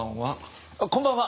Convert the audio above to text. こんばんは。